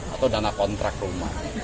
atau dana kontrak rumah